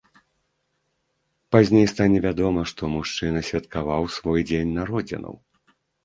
Пазней стане вядома, што мужчына святкаваў свой дзень народзінаў.